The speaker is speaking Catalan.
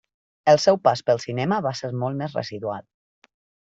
El seu pas pel cinema va ser molt més residual.